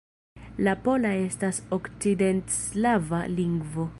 La pola estas okcidentslava lingvo.